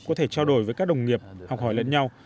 có thể trao đổi với các đồng nghiệp học hỏi lẫn nhau